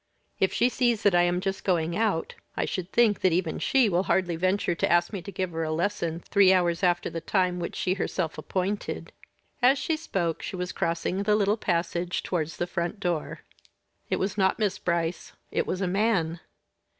"If she sees that I am just going out, I should think that even she will hardly venture to ask me to give her a lesson three hours after the time which she herself appointed." As she spoke she was crossing the little passage towards the front door. It was not Miss Brice it was a man.